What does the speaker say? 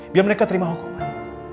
biar mereka terima hukuman